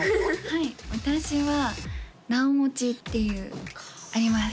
はい私は「なおもち」っていうあります